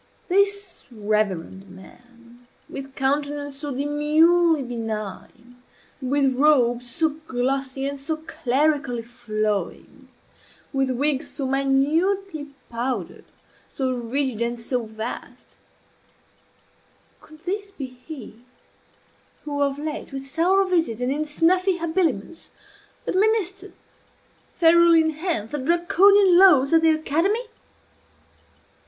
This reverend man, with countenance so demurely benign, with robes so glossy and so clerically flowing, with wig so minutely powdered, so rigid and so vast, could this be he who, of late, with sour visage, and in snuffy habiliments, administered, ferule in hand, the Draconian Laws of the academy?